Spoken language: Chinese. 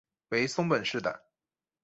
为松本市的。